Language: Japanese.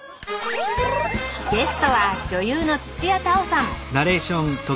ゲストは女優の土屋太鳳さん。